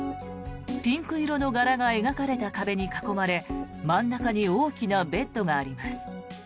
ピンク色の柄が描かれた壁に囲まれ真ん中に大きなベッドがあります。